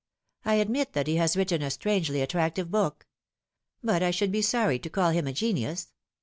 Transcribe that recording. I admit that he has written a strangely attractive book. But I should be sorry to call him a genius.